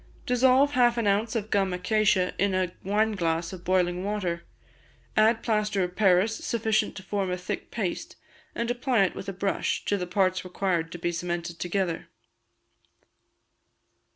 Dissolve half an ounce of gum acacia, in a wineglass of boiling water; add plaster of Paris sufficient to form a thick paste, and apply it with a brush, to the parts required to be cemented together.